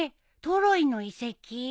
トロイの遺跡？